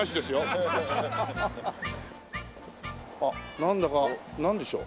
なんだかなんでしょう？